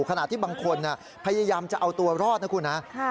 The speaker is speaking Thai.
ขณะที่บางคนพยายามจะเอาตัวรอดนะคุณฮะ